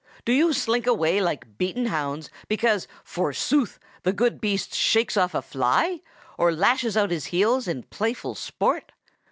"Do you slink away like beaten hounds because, forsooth, the good beast shakes off a fly, or lashes out his heels in playful sport?